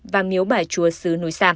và miếu bà chúa sứ núi sam